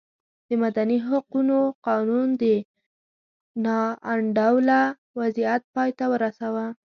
د مدني حقونو قانون دا نا انډوله وضعیت پای ته ورساوه.